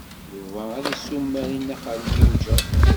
Yuba ad isumer i Nna Xelluǧa.